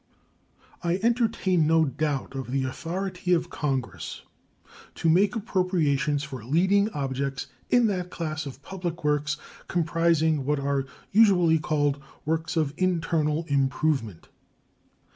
I entertain no doubt of the authority of Congress to make appropriations for leading objects in that class of public works comprising what are usually called works of internal improvement.